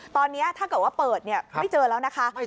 ตอนนี้ถ้าเกิดว่าเปิดไม่เจอแล้วนะคะ